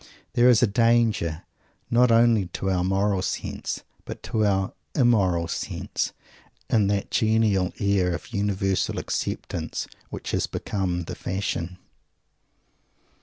There is a danger, not only to our moral sense, but to our immoral sense, in that genial air of universal acceptance which has become the fashion.